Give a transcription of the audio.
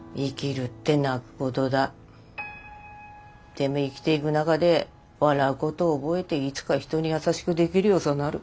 でも生きていく中で笑うことを覚えていつか人に優しくできるようさなる。